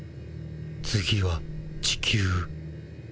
次は地球。